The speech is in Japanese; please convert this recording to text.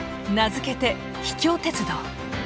名付けて「秘境鉄道」。